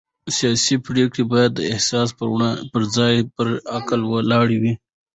سیاسي پرېکړې باید د احساس پر ځای پر عقل ولاړې وي